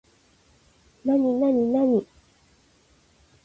なになになに